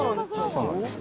そうなんです。